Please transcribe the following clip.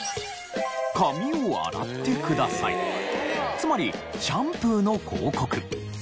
つまりシャンプーの広告。